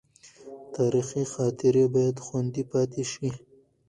تاریخي خاطرې باید خوندي پاتې شي.